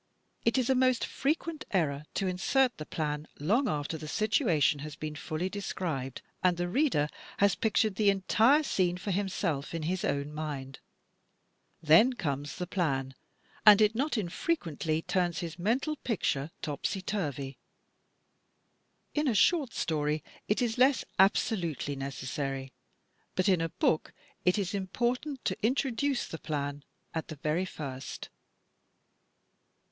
It is a most frequent error to insert the plan long after the situation has been fully described and the reader has pictured the entire scene for himself in his own mind. Then comes the plan, and it not infrequently turns his mental picture topsy turvy. In a short story it is less abso lutely necessary, but in a book it is important to introduce the plan at the very first.